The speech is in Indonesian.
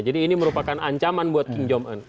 jadi ini merupakan ancaman buat kim jong un